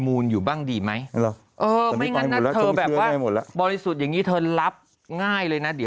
มันเยอะไง